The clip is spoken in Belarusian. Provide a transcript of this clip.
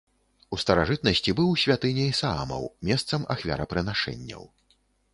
У старажытнасці быў святыняй саамаў, месцам ахвярапрынашэнняў.